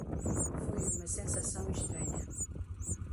Foi uma sensação estranha.